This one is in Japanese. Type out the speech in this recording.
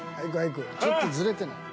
［ちょっとずれてない？］